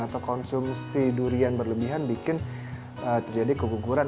atau konsumsi durian berlebihan bikin terjadi keguguran